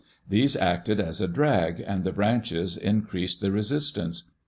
These acted as a drag and the branches increased the resistance.